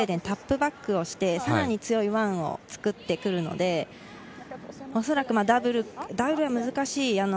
タップバックして、さらに強いワンを作ってくるので、おそらくダブルは難しい。